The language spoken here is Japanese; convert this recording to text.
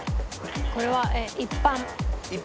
これは一般？